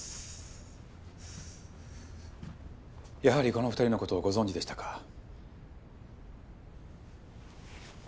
やはりこの２人のことをご存じでしたか。